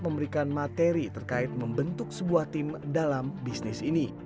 memberikan materi terkait membentuk sebuah tim dalam bisnis ini